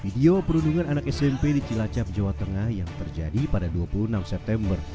video perundungan anak smp di cilacap jawa tengah yang terjadi pada dua puluh enam september